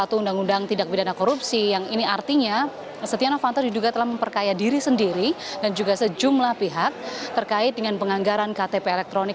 satu undang undang tidak pidana korupsi yang ini artinya setia novanto diduga telah memperkaya diri sendiri dan juga sejumlah pihak terkait dengan penganggaran ktp elektronik